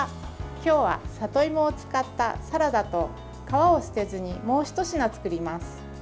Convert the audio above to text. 今日は里芋を使ったサラダと皮を捨てずにもうひと品作ります。